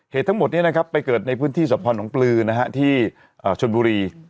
ทั้งหมดนี้นะครับไปเกิดในพื้นที่สะพอน้องปลือที่ชนบุรี